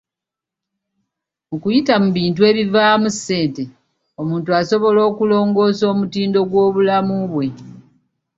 Mu kuyita mu bintu ebivaamu ssente, omuntu asobola okulongoosa omutindo gw'obulamu bwe.